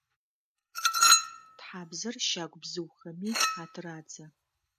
Тхьабзэр щагу бзыухэми атырадзэ.